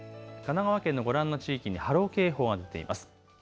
神奈川県のご覧の地域に波浪警報が出ています。